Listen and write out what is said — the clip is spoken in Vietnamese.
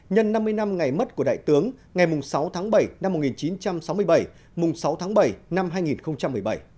nhân năm mươi năm ngày mất của đại tướng ngày sáu tháng bảy năm một nghìn chín trăm sáu mươi bảy sáu tháng bảy năm hai nghìn một mươi bảy